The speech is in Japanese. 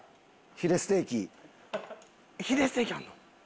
ヒレステーキあるの？